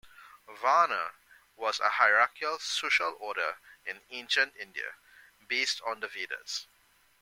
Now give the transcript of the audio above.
Varna was a hierarchical social order in ancient India, based on the Vedas.